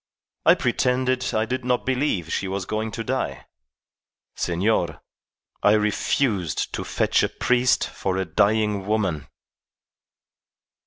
I pretended I did not believe she was going to die. Senor, I refused to fetch a priest for a dying woman.